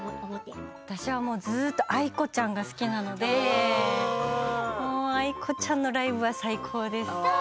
私はずっとａｉｋｏちゃんが好きなのでａｉｋｏちゃんのライブは最高です。